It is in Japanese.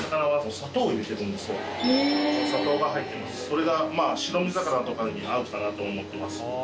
それが白身魚とかに合うかなと思ってます。